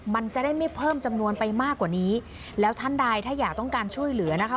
มันจะได้ไม่เพิ่มจำนวนไปมากกว่านี้แล้วท่านใดถ้าอยากต้องการช่วยเหลือนะคะ